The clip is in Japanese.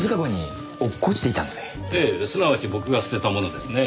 すなわち僕が捨てたものですねぇ。